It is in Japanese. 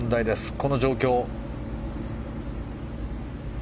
この状況。